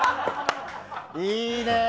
いいね！